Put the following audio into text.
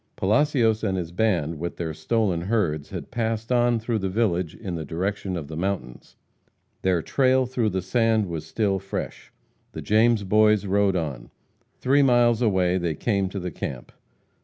Palacios and his band, with their stolen herds, had passed on through the village in the direction of the mountains. Their trail through the sand was still fresh. The James Boys rode on. Three miles away they came to the camp.